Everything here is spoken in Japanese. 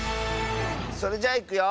それじゃいくよ！